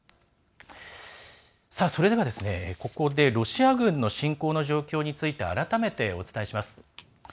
それでは、ここでロシア軍の侵攻の状況について改めてお伝えします。